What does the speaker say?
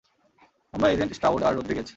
আমরা agent Stroud আর Rodriguez.